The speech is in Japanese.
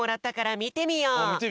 みてみよう！